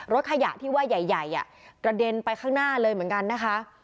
ขยะที่ว่าใหญ่กระเด็นไปข้างหน้าเลยเหมือนกันนะคะ